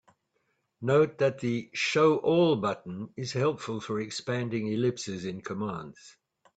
Note that the "Show all" button is helpful for expanding ellipses in commands.